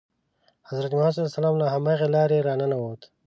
حضرت محمد له همغې لارې را ننووت.